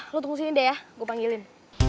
ya udah lo tunggu sini deh ya gue panggilin